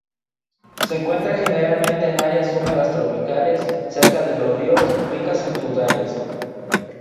Se encuentra generalmente en áreas húmedas tropicales, cerca de los ríos, ricas en frutales.